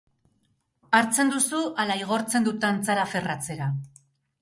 Hartzen duzu ala igortzen dut antzara ferratzera?